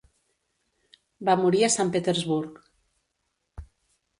Va morir a Sant Petersburg.